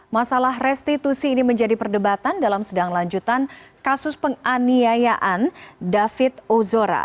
masalah restitusi ini menjadi perdebatan dalam sedang lanjutan kasus penganiayaan david ozora